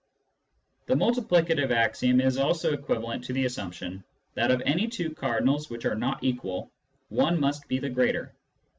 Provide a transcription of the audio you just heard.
The multiplicative axiom is also equivalent to the assumption that of any two cardinals which are not equal, one must be the greater.